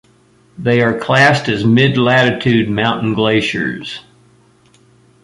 They are classed as mid-latitude mountain glaciers.